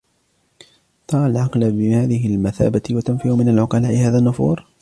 تَرَى الْعَقْلَ بِهَذِهِ الْمَثَابَةِ وَتَنْفِرُ مِنْ الْعُقَلَاءِ هَذَا النُّفُورَ